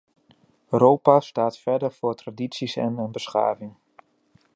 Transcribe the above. Europa staat verder voor tradities en een beschaving.